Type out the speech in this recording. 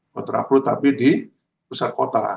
kontrapro tapi di pusat kota